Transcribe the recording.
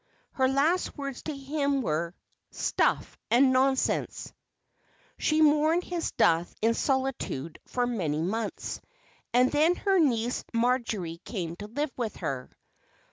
Her last words to him were : "Stuff and nonsense !" She mourned his death in solitude for many months, and then her niece Marjory came to live with her.